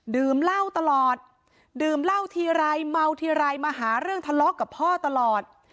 ดื่มเหล้าตลอดดื่มเหล้าทีไรเมาทีไรมาหาเรื่องทะเลาะกับพ่อตลอด